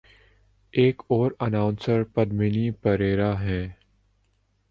ایک اور اناؤنسر پدمنی پریرا ہیں۔